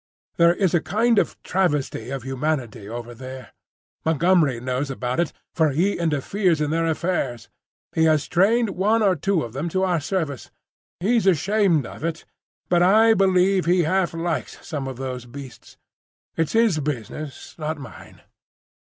There is a kind of travesty of humanity over there. Montgomery knows about it, for he interferes in their affairs. He has trained one or two of them to our service. He's ashamed of it, but I believe he half likes some of those beasts. It's his business, not mine.